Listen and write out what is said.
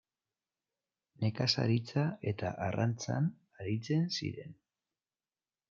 Nekazaritza eta arrantzan aritzen ziren.